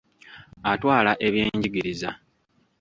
Atwala ebyenjigiriza.